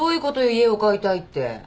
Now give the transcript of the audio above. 家を買いたいって。